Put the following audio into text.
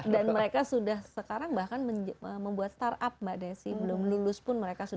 dan mereka sudah sekarang bahkan membuat startup mbak desi belum lulus pun mereka sudah